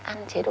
ăn chế độ ăn